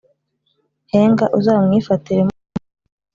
Henga uzamwifatire mutirutse